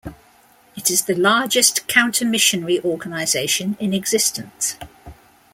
It is the largest counter-missionary organization in existence.